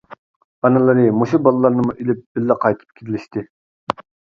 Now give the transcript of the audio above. ئانىلىرى مۇشۇ بالىلارنىمۇ ئېلىپ بىللە قايتىپ كېلىشتى.